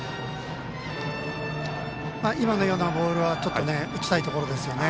今のようなボールは打ちたいところですよね。